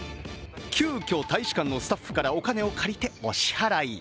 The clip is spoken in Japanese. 急きょ、大使館のスタッフからお金を借りてお支払い。